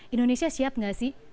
indonesia siap gak sih